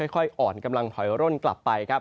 ค่อยอ่อนกำลังถอยร่นกลับไปครับ